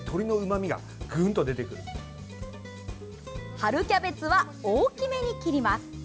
春キャベツは大きめに切ります。